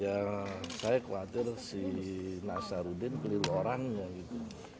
ya saya khawatir si nasaruddin keliru orangnya gitu